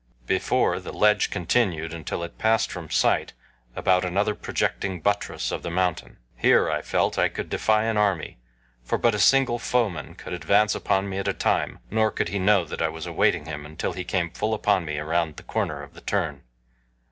Before, the ledge continued until it passed from sight about another projecting buttress of the mountain. Here, I felt, I could defy an army, for but a single foeman could advance upon me at a time, nor could he know that I was awaiting him until he came full upon me around the corner of the turn.